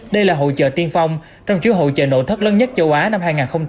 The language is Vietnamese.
đây là hội trợ tiên phong trong chứa hội trợ nổ thất lớn nhất châu á năm hai nghìn hai mươi bốn